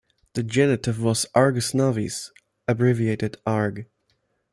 The genitive was "Argus Navis", abbreviated "Arg".